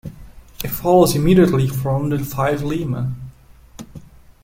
It follows immediately from the five lemma.